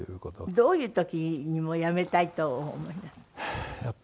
どういう時にもう辞めたいとお思いになる？